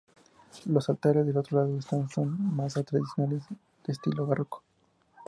Los altares del otro lado están son más tradicionales de estilo barroco.